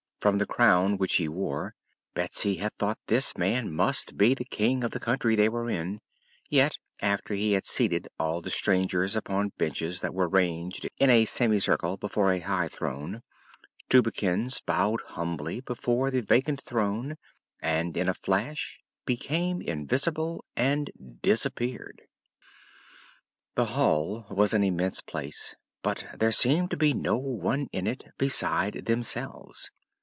From the crown which he wore, Betsy had thought this man must be the King of the country they were in, yet after he had seated all the strangers upon benches that were ranged in a semicircle before a high throne, Tubekins bowed humbly before the vacant throne and in a flash became invisible and disappeared. The hall was an immense place, but there seemed to be no one in it beside themselves.